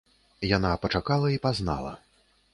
Яна пачакала і пазнала.